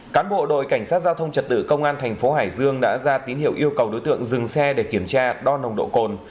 cán bộ đội cảnh sát giao thông trật tự công an thành phố hải dương đã ra tín hiệu yêu cầu đối tượng dừng xe để kiểm tra đo nồng độ cồn